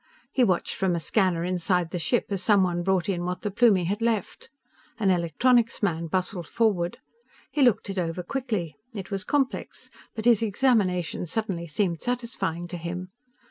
He watched from a scanner inside the ship as someone brought in what the Plumie had left. An electronics man bustled forward. He looked it over quickly. It was complex, but his examination suddenly seemed satisfying to him.